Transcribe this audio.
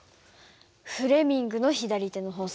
フレミングの左手の法則。